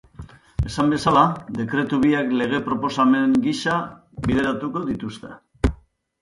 Esan bezala, dekretu biak lege proposamen gisa bideratuko dituzte.